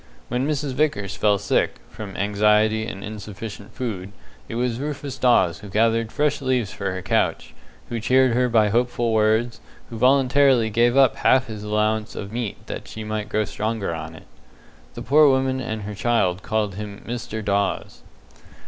When Mrs. Vickers fell sick, from anxiety and insufficient food, it was Rufus Dawes who gathered fresh leaves for her couch, who cheered her by hopeful words, who voluntarily gave up half his own allowance of meat that she might grow stronger on it. The poor woman and her child called him "Mr." Dawes.